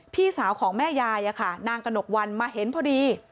พี่สาวของแม่ยายนางกระหนกวันมาเห็นพอดี